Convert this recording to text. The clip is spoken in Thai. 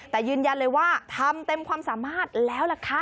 แต่ยืนยันเลยว่าทำเต็มความสามารถแล้วล่ะค่ะ